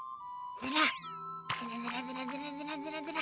ズラズラズラズラズラズラズラ！